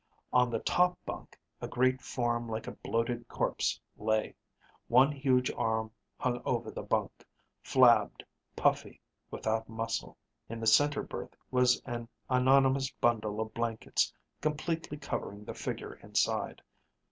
On the top bunk a great form like a bloated corpse lay. One huge arm hung over the bunk, flabbed, puffy, without muscle._ _In the center berth was an anonymous bundle of blankets completely covering the figure inside.